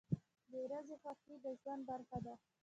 • د ورځې خوښي د ژوند برخه ده.